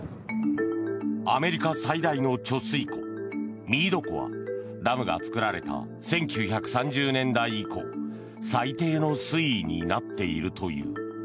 アメリカ最大の貯水湖ミード湖はダムが作られた１９３０年代以降最低の水位になっているという。